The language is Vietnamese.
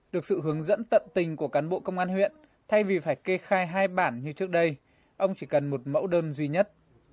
được sự hướng dẫn tận tình của cán bộ công an huyện thay vì phải kê khai hai bản như trước đây ông chỉ cần một mẫu đơn duy nhất